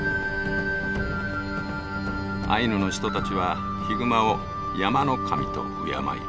アイヌの人たちはヒグマを山の神と敬い